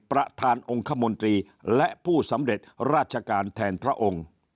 ประธานองค์คมนตรีและผู้สำเร็จราชการแทนพระองค์